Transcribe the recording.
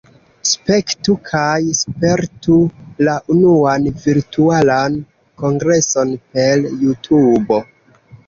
Spektu kaj spertu la unuan Virtualan Kongreson per JuTubo!